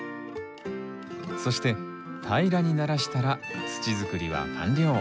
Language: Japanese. そして平らにならしたら土作りは完了。